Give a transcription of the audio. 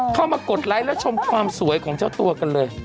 กดไลค์และชมความสวยของเจ้าตัวกันเลย